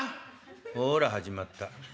「ほら始まった。